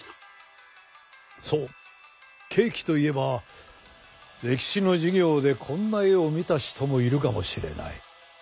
そうケーキといえば歴史の授業でこんな絵を見た人もいるかもしれない。